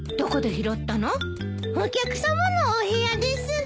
お客さまのお部屋です。